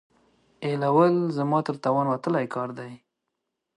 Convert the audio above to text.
ایېلول زما تر توان وتلی کار دی.